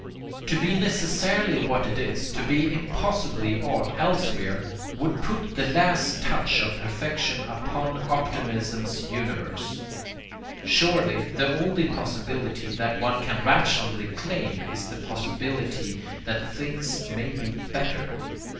To be necessarily what it is, to be impossibly aught else, would put the last touch of perfection upon optimism's universe. Surely the only POSSIBILITY that one can rationally claim is the possibility that things may be BETTER.